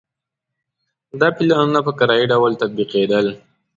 دا پلانونه په کرایي ډول تطبیقېدل.